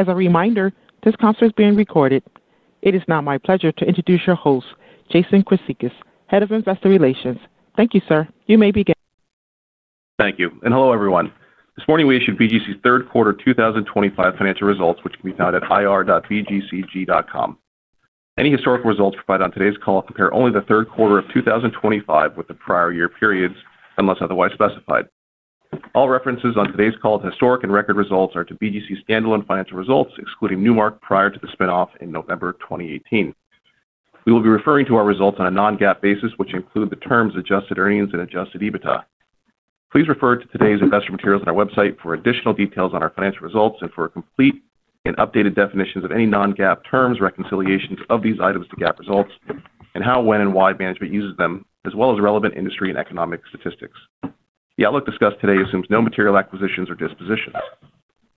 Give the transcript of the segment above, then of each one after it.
As a reminder, this conference is being recorded. It is now my pleasure to introduce your host, Jason Chryssicas, Head of Investor Relations. Thank you, sir. You may begin. Thank you. Hello, everyone. This morning, we issued BGC's third quarter 2025 financial results, which can be found at ir.bgcg.com. Any historical results provided on today's call compare only the third quarter of 2025 with the prior year periods, unless otherwise specified. All references on today's call to historic and record results are to BGC's standalone financial results, excluding Newmark prior to the spinoff in November 2018. We will be referring to our results on a non-GAAP basis, which include the terms adjusted earnings and adjusted EBITDA. Please refer to today's investor materials on our website for additional details on our financial results and for complete and updated definitions of any non-GAAP terms, reconciliations of these items to GAAP results, and how, when, and why management uses them, as well as relevant industry and economic statistics. The outlook discussed today assumes no material acquisitions or dispositions.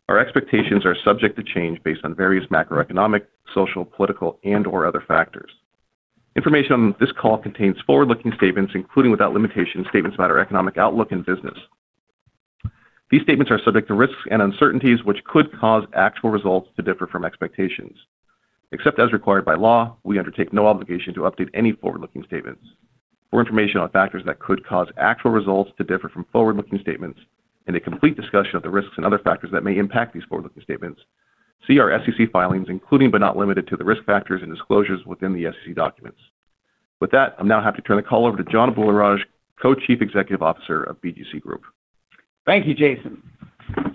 Our expectations are subject to change based on various macroeconomic, social, political, and/or other factors. Information on this call contains forward-looking statements, including without limitation, statements about our economic outlook and business. These statements are subject to risks and uncertainties which could cause actual results to differ from expectations. Except as required by law, we undertake no obligation to update any forward-looking statements. For information on factors that could cause actual results to differ from forward-looking statements and a complete discussion of the risks and other factors that may impact these forward-looking statements, see our SEC filings, including but not limited to the risk factors and disclosures within the SEC documents. With that, I'm now happy to turn the call over to John Abularrage, Co-Chief Executive Officer of BGC Group. Thank you, Jason.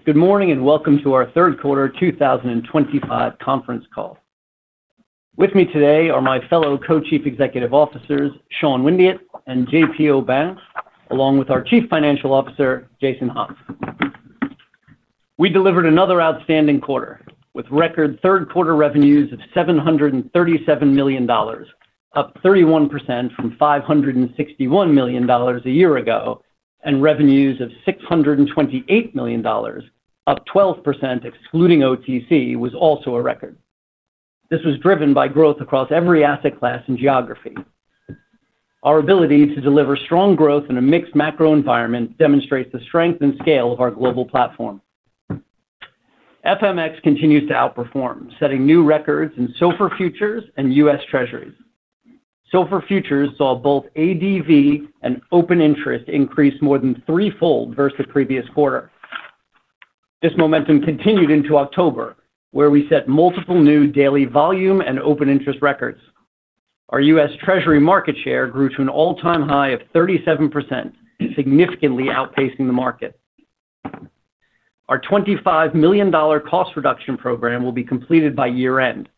Good morning and welcome to our third quarter 2025 conference call. With me today are my fellow Co-Chief Executive Officers, Sean Windeatt and JP Aubin, along with our Chief Financial Officer, Jason Hauf. We delivered another outstanding quarter with record third quarter revenues of $737 million, up 31% from $561 million a year ago, and revenues of $628 million, up 12% excluding OTC, was also a record. This was driven by growth across every asset class and geography. Our ability to deliver strong growth in a mixed macro environment demonstrates the strength and scale of our global platform. FMX continues to outperform, setting new records in SOFR Futures and U.S. Treasuries. SOFR Futures saw both ADV and open interest increase more than threefold versus the previous quarter. This momentum continued into October, where we set multiple new daily volume and open interest records. Our U.S. Treasury market share grew to an all-time high of 37%, significantly outpacing the market. Our $25 million cost reduction program will be completed by year-end.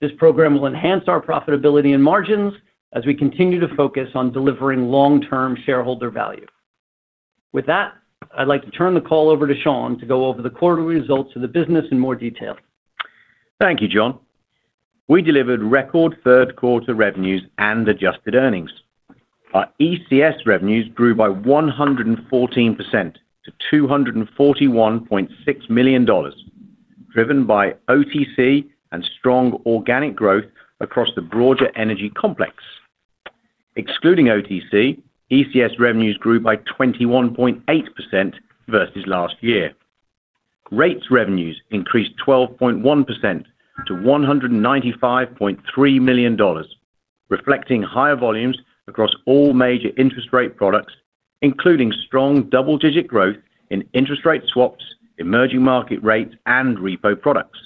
This program will enhance our profitability and margins as we continue to focus on delivering long-term shareholder value. With that, I'd like to turn the call over to Sean to go over the quarterly results of the business in more detail. Thank you, John. We delivered record third quarter revenues and adjusted earnings. Our ECS revenues grew by 114% to $241.6 million, driven by OTC and strong organic growth across the broader energy complex. Excluding OTC, ECS revenues grew by 21.8% versus last year. Rates revenues increased 12.1% to $195.3 million, reflecting higher volumes across all major interest rate products, including strong double-digit growth in interest rate swaps, emerging market rates, and repo products.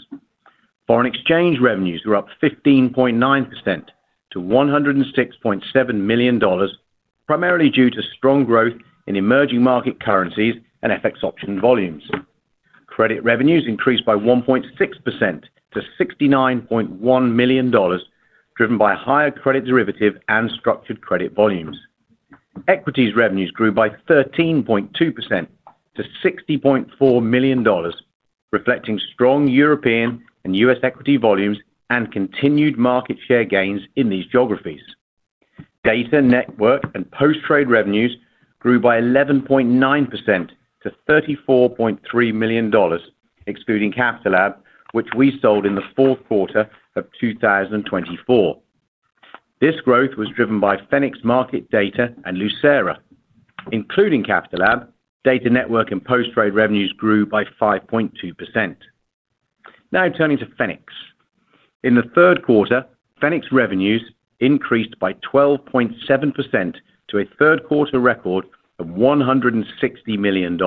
Foreign exchange revenues were up 15.9% to $106.7 million, primarily due to strong growth in emerging market currencies and FX option volumes. Credit revenues increased by 1.6% to $69.1 million, driven by higher credit derivative and structured credit volumes. Equities revenues grew by 13.2% to $60.4 million, reflecting strong European and U.S. equity volumes and continued market share gains in these geographies. Data, network, and post-trade revenues grew by 11.9% to $34.3 million, excluding Capital Lab, which we sold in the fourth quarter of 2024. This growth was driven by Fenix market Data and Lucera. Including Capital Lab, data, network, and post-trade revenues grew by 5.2%. Now turning to Fenix. In the third quarter, Fenix revenues increased by 12.7% to a third quarter record of $160 million.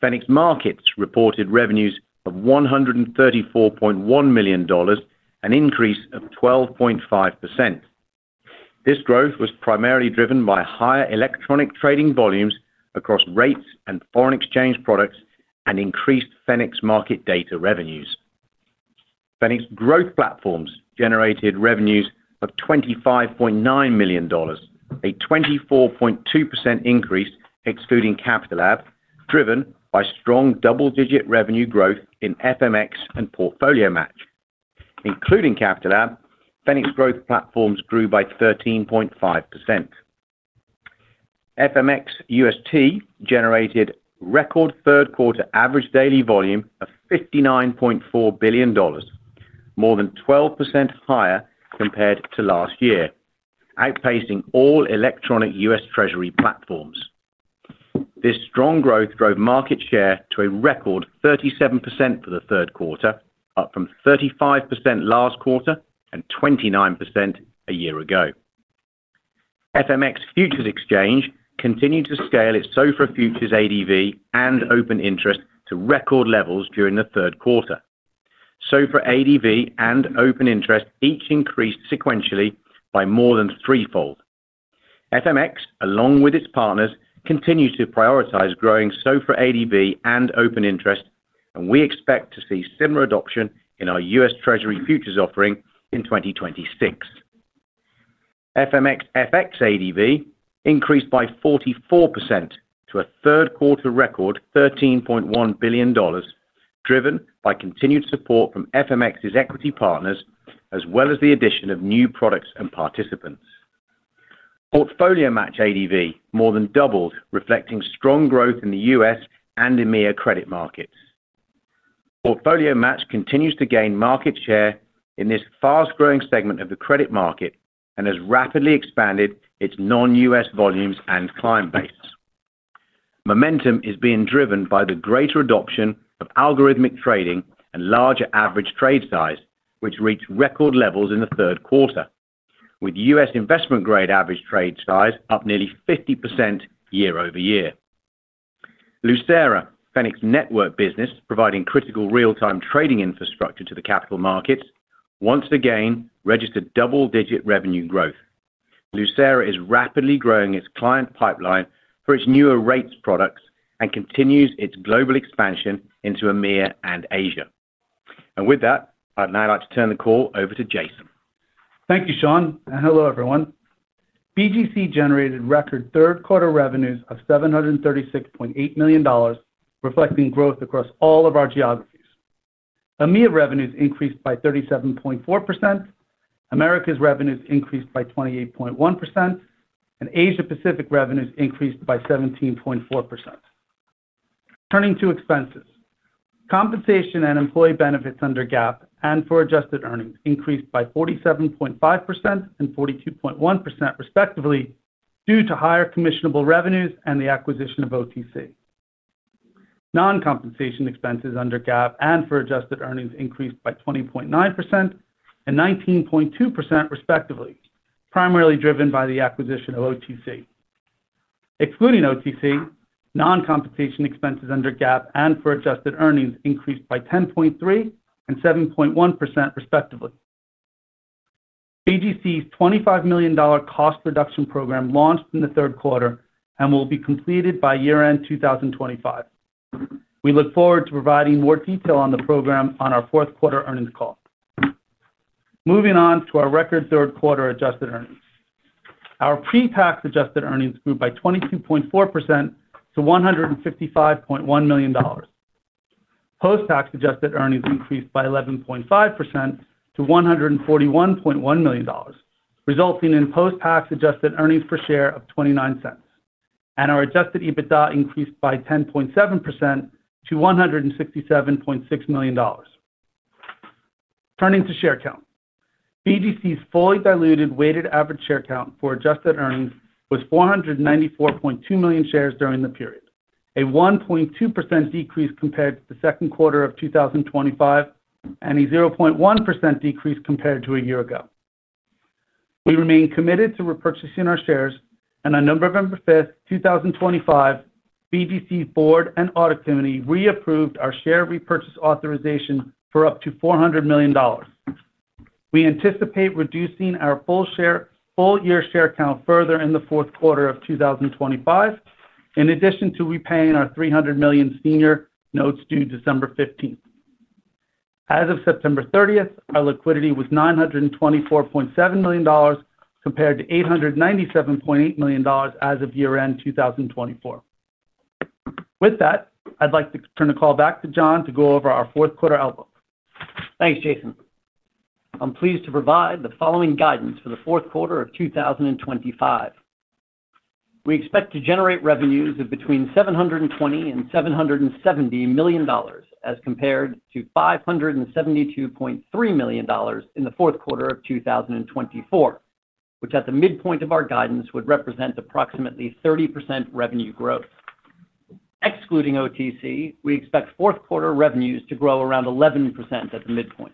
Fenix markets reported revenues of $134.1 million, an increase of 12.5%. This growth was primarily driven by higher electronic trading volumes across rates and foreign exchange products and increased Fenix market data revenues. Fenix growth platforms generated revenues of $25.9 million, a 24.2% increase, excluding Capital Lab, driven by strong double-digit revenue growth in FMX and Portfolio Match. Including Capital Lab, Fenix growth platforms grew by 13.5%. FMX UST generated record third quarter average daily volume of $59.4 billion, more than 12% higher compared to last year, outpacing all electronic U.S. Treasury platforms. This strong growth drove market share to a record 37% for the third quarter, up from 35% last quarter and 29% a year ago. FMX Futures Exchange continued to scale its SOFR Futures ADV and open interest to record levels during the third quarter. SOFR ADV and open interest each increased sequentially by more than threefold. FMX, along with its partners, continues to prioritize growing SOFR ADV and open interest, and we expect to see similar adoption in our U.S. Treasury Futures offering in 2026. FMX FX ADV increased by 44% to a third quarter record $13.1 billion, driven by continued support from FMX's equity partners, as well as the addition of new products and participants. Portfolio Match ADV more than doubled, reflecting strong growth in the U.S. and EMEA credit markets. Portfolio Match continues to gain market share in this fast-growing segment of the credit market and has rapidly expanded its non-U.S. volumes and client base. Momentum is being driven by the greater adoption of algorithmic trading and larger average trade size, which reached record levels in the third quarter, with U.S. investment-grade average trade size up nearly 50% year-over-year. Lucera, Fenix network business providing critical real-time trading infrastructure to the capital markets, once again registered double-digit revenue growth. Lucera is rapidly growing its client pipeline for its newer rates products and continues its global expansion into EMEA and Asia-Pacific. With that, I'd now like to turn the call over to Jason. Thank you, Sean. Hello, everyone. BGC generated record third quarter revenues of $736.8 million, reflecting growth across all of our geographies. EMEA revenues increased by 37.4%. Americas revenues increased by 28.1%, and Asia-Pacific revenues increased by 17.4%. Turning to expenses, compensation and employee benefits under GAAP and for adjusted earnings increased by 47.5% and 42.1%, respectively, due to higher commissionable revenues and the acquisition of OTC. Non-compensation expenses under GAAP and for adjusted earnings increased by 20.9% and 19.2%, respectively, primarily driven by the acquisition of OTC. Excluding OTC, non-compensation expenses under GAAP and for adjusted earnings increased by 10.3% and 7.1%, respectively. BGC's $25 million cost reduction program launched in the third quarter and will be completed by year-end 2025. We look forward to providing more detail on the program on our fourth quarter earnings call. Moving on to our record third quarter adjusted earnings. Our pre-tax adjusted earnings grew by 22.4% to $155.1 million. Post-tax adjusted earnings increased by 11.5% to $141.1 million, resulting in post-tax adjusted earnings per share of $0.29. Our adjusted EBITDA increased by 10.7% to $167.6 million. Turning to share count. BGC's fully diluted weighted average share count for adjusted earnings was 494.2 million shares during the period, a 1.2% decrease compared to the second quarter of 2025 and a 0.1% decrease compared to a year ago. We remain committed to repurchasing our shares, and on November 5, 2025, BGC's board and audit committee reapproved our share repurchase authorization for up to $400 million. We anticipate reducing our full-year share count further in the fourth quarter of 2025, in addition to repaying our $300 million senior notes due December 15. As of September 30, our liquidity was $924.7 million compared to $897.8 million as of year-end 2024. With that, I'd like to turn the call back to John to go over our fourth quarter outlook. Thanks, Jason. I'm pleased to provide the following guidance for the fourth quarter of 2025. We expect to generate revenues of between $720 million and $770 million as compared to $572.3 million in the fourth quarter of 2024, which at the midpoint of our guidance would represent approximately 30% revenue growth. Excluding OTC, we expect fourth quarter revenues to grow around 11% at the midpoint.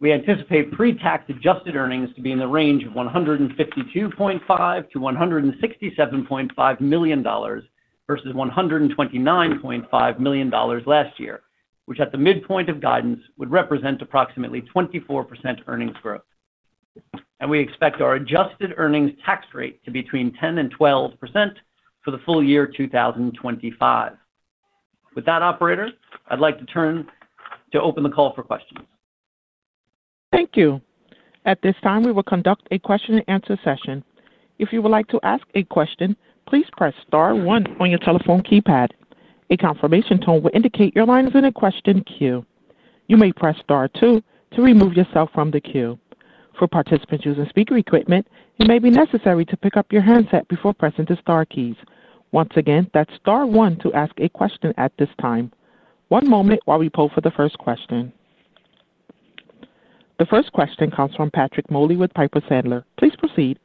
We anticipate pre-tax adjusted earnings to be in the range of $152.5 million-$167.5 million versus $129.5 million last year, which at the midpoint of guidance would represent approximately 24% earnings growth. We expect our adjusted earnings tax rate to be between 10%-12% for the full year 2025. With that, operator, I'd like to turn to open the call for questions. Thank you. At this time, we will conduct a question-and-answer session. If you would like to ask a question, please press star one on your telephone keypad. A confirmation tone will indicate your line is in a question queue. You may press star two to remove yourself from the queue. For participants using speaker equipment, it may be necessary to pick up your handset before pressing the star keys. Once again, that's star two to ask a question at this time. One moment while we poll for the first question. The first question comes from Patrick Moley with Piper Sandler. Please proceed.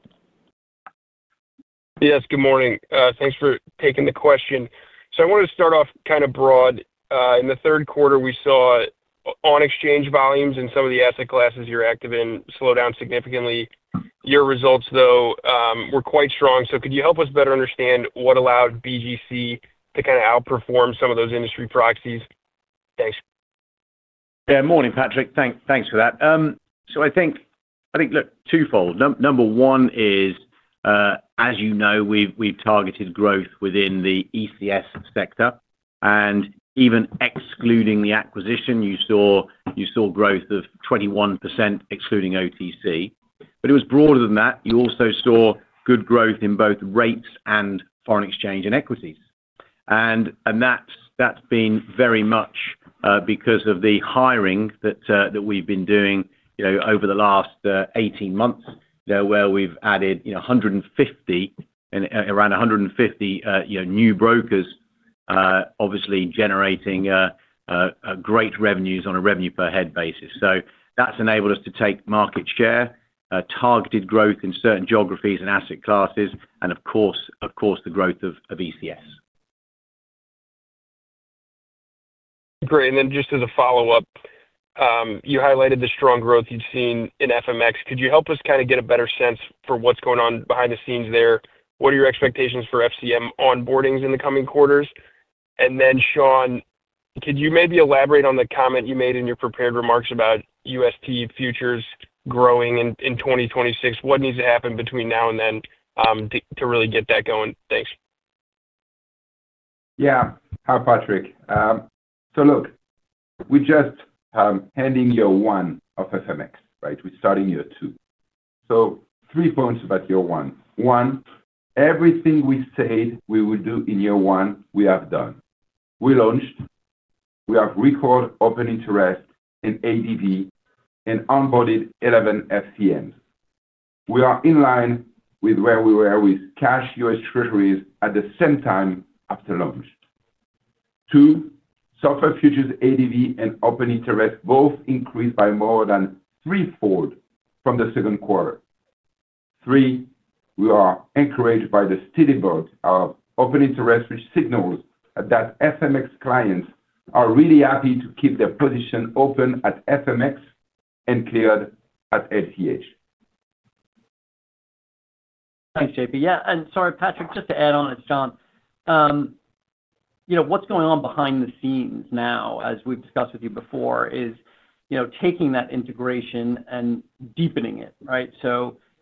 Yes, good morning. Thanks for taking the question. I wanted to start off kind of broad. In the third quarter, we saw on-exchange volumes in some of the asset classes you're active in slow down significantly. Your results, though, were quite strong. Could you help us better understand what allowed BGC to kind of outperform some of those industry proxies? Thanks. Yeah, morning, Patrick. Thanks for that. I think, look, twofold. Number one is, as you know, we've targeted growth within the ECS sector. Even excluding the acquisition, you saw growth of 21% excluding OTC. It was broader than that. You also saw good growth in both rates and foreign exchange and equities. That's been very much because of the hiring that we've been doing over the last 18 months, where we've added around 150 new brokers, obviously generating great revenues on a revenue-per-head basis. That's enabled us to take market share, targeted growth in certain geographies and asset classes, and, of course, the growth of ECS. Great. Just as a follow-up, you highlighted the strong growth you've seen in FMX. Could you help us kind of get a better sense for what's going on behind the scenes there? What are your expectations for FCM onboardings in the coming quarters? Sean, could you maybe elaborate on the comment you made in your prepared remarks about UST futures growing in 2026? What needs to happen between now and then to really get that going? Thanks. Yeah, hi, Patrick. Look, we're just ending year one of FMX, right? We're starting year two. Three points about year one. One, everything we said we would do in year one, we have done. We launched, we have recalled open interest in ADV, and onboarded 11 FCMs. We are in line with where we were with cash U.S. Treasuries at the same time after launch. Two, SOFR futures ADV and open interest both increased by more than threefold from the second quarter. Three, we are encouraged by the steady bulk of open interest, which signals that FMX clients are really happy to keep their position open at FMX and cleared at LCH. Thanks, JP. Yeah. Sorry, Patrick, just to add on it, Sean. What's going on behind the scenes now, as we've discussed with you before, is taking that integration and deepening it, right?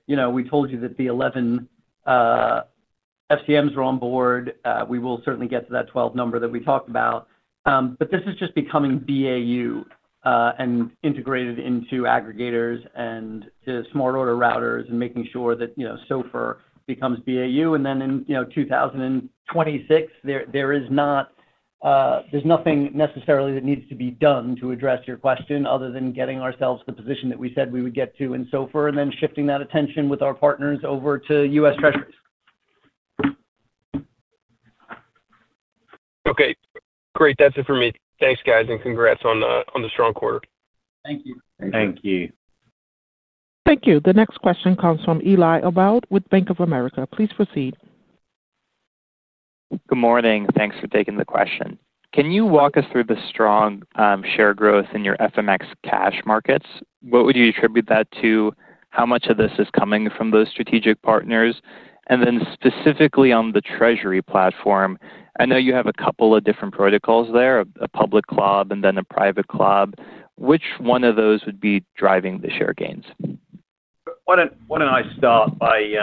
We told you that the 11 FCMs were on board. We will certainly get to that 12 number that we talked about. This is just becoming BAU and integrated into aggregators and to smart order routers and making sure that SOFR becomes BAU. In 2026, there is nothing necessarily that needs to be done to address your question other than getting ourselves the position that we said we would get to in SOFR and then shifting that attention with our partners over to U.S. Treasuries. Okay. Great. That's it for me. Thanks, guys, and congrats on the strong quarter. Thank you. The next question comes from Elie Abou Haydar with Bank of America. Please proceed. Good morning. Thanks for taking the question. Can you walk us through the strong share growth in your FMX cash markets? What would you attribute that to? How much of this is coming from those strategic partners? Specifically on the treasury platform, I know you have a couple of different protocols there, a public club and then a private club. Which one of those would be driving the share gains? Why don't I start by.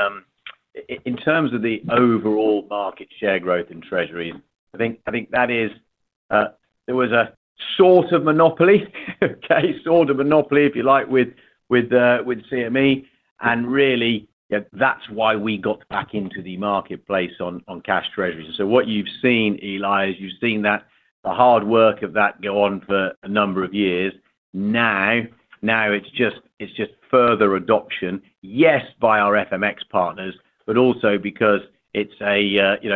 In terms of the overall market share growth in treasuries, I think that is. There was a sort of monopoly, okay, sort of monopoly, if you like, with CME. Really, that's why we got back into the marketplace on cash treasuries. What you've seen, Elie, is you've seen the hard work of that go on for a number of years. Now it's just further adoption, yes, by our FMX partners, but also because it's the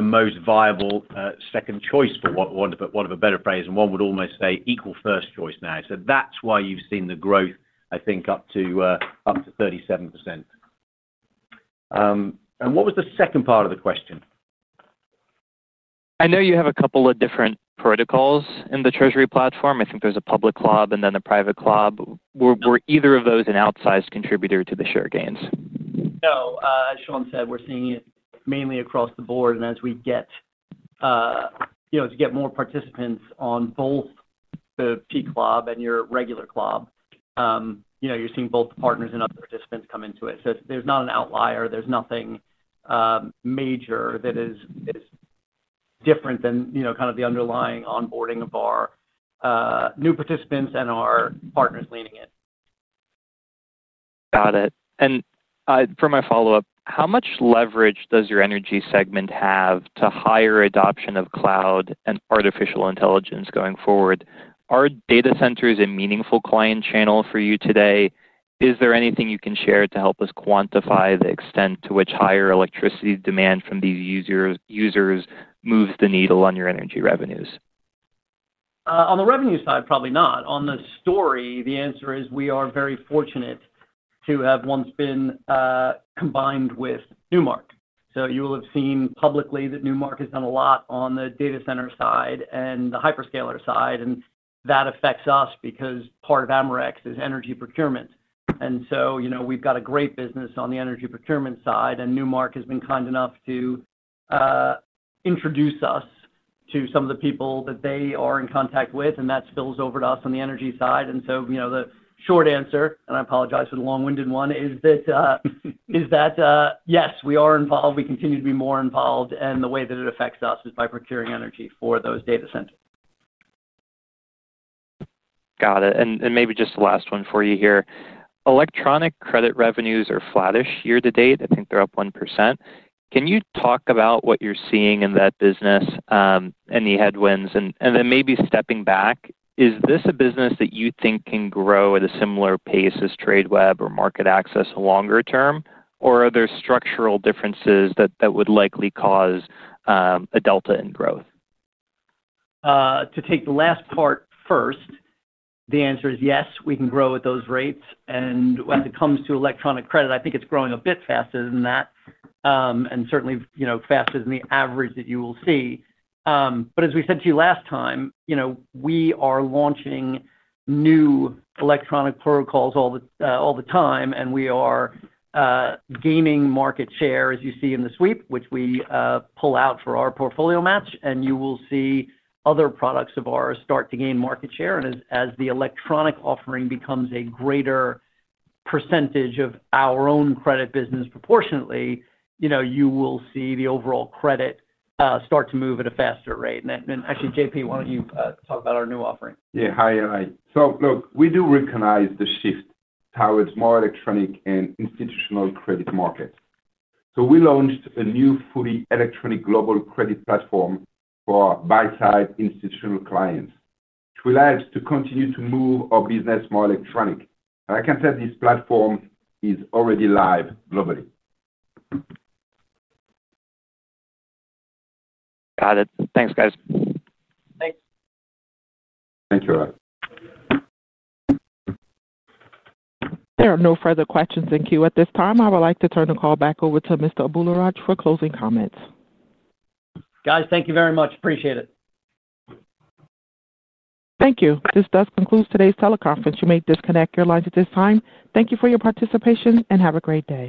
most viable second choice for, one of a better phrase, and one would almost say equal first choice now. That's why you've seen the growth, I think, up to 37%. What was the second part of the question? I know you have a couple of different protocols in the treasury platform. I think there's a Public Club and then a Private Club. Were either of those an outsized contributor to the share gains? No. As Sean said, we're seeing it mainly across the board. As we get more participants on both the PEAQ Club and your regular club, you're seeing both the partners and other participants come into it. There's not an outlier. There's nothing major that is different than kind of the underlying onboarding of our new participants and our partners leaning in. Got it. For my follow-up, how much leverage does your energy segment have to higher adoption of cloud and artificial intelligence going forward? Are data centers a meaningful client channel for you today? Is there anything you can share to help us quantify the extent to which higher electricity demand from these users moves the needle on your energy revenues? On the revenue side, probably not. On the story, the answer is we are very fortunate to have once been combined with Newmark. You will have seen publicly that Newmark has done a lot on the data center side and the hyperscaler side. That affects us because part of Americas is energy procurement. We have a great business on the energy procurement side. Newmark has been kind enough to introduce us to some of the people that they are in contact with. That spills over to us on the energy side. The short answer, and I apologize for the long-winded one, is that yes, we are involved. We continue to be more involved. The way that it affects us is by procuring energy for those data centers. Got it. Maybe just the last one for you here. Electronic credit revenues are flattish year to date. I think they're up 1%. Can you talk about what you're seeing in that business and the headwinds? Maybe stepping back, is this a business that you think can grow at a similar pace as Tradeweb or MarketAxess longer term, or are there structural differences that would likely cause a delta in growth? To take the last part first. The answer is yes, we can grow at those rates. When it comes to electronic credit, I think it's growing a bit faster than that. Certainly faster than the average that you will see. As we said to you last time, we are launching new electronic protocols all the time. We are gaining market share, as you see in the sweep, which we pull out for our Portfolio Match. You will see other products of ours start to gain market share. As the electronic offering becomes a greater percentage of our own credit business proportionately, you will see the overall credit start to move at a faster rate. Actually, JP, why don't you talk about our new offering? Yeah, hi, Elie. Look, we do recognize the shift towards more electronic and institutional credit markets. We launched a new fully electronic global credit platform for buy-side institutional clients, which we like to continue to move our business more electronic. I can tell this platform is already live globally. Got it. Thanks, guys. Thank you, Elie. There are no further questions in queue at this time. I would like to turn the call back over to Mr. Abularrage for closing comments. Guys, thank you very much. Appreciate it. Thank you. This does conclude today's teleconference. You may disconnect your lines at this time. Thank you for your participation and have a great day.